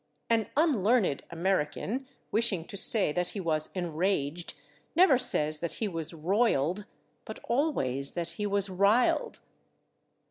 An unlearned American, wishing to say that he was enraged, never says that he was /roiled/, but always that he was /riled